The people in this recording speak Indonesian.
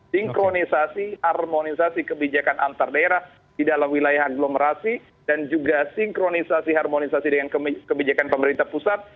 sinkronisasi harmonisasi kebijakan antar daerah di dalam wilayah aglomerasi dan juga sinkronisasi harmonisasi dengan kebijakan pemerintah pusat